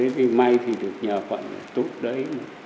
thì may thì được nhờ phận tốt đấy